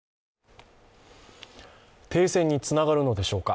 停戦につながるのでしょうか。